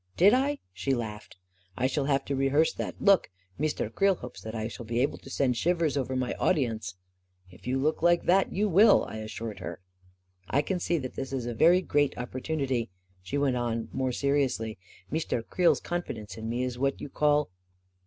44 Did I ?" she laughed. <4 1 shall have to re hearse that look. Meestaire Creel hopes that I shall be able to send shivers over my audience 1 " 44 If you look like that, you will I " I assured her. 44 1 can see that this is a very great opportunity," she went on, more seriously. " Meestaire Creel's confidence in me is what you call